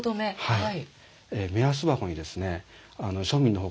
はい。